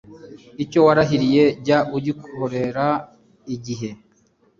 icyo warahiriye jya ugikorera igihe